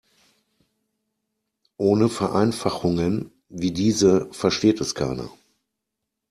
Ohne Vereinfachungen wie diese versteht es keiner.